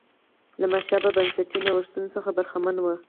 له مشابه بنسټي نوښتونو څخه برخمنه وه.